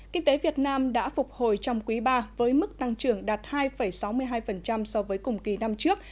kinh tế việt nam đã phục hồi trong quý ba với mức tăng trưởng đạt hai sáu mươi hai so với cùng kỳ năm trước